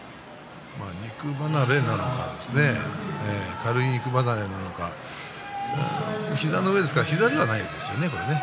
軽い肉離れなのか膝の上ですから膝ではないですよね。